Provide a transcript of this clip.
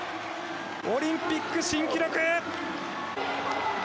オリンピック新記録。